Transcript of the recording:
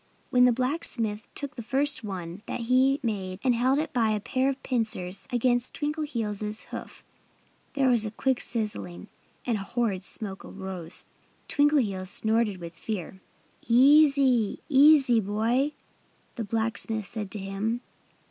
When the blacksmith took the first one that he made and held it by a pair of pincers against Twinkleheels' hoof there was a quick sizzling. And a horrid smoke arose. Twinkleheels snorted with fear. "Easy! Easy, boy!" the blacksmith said to him.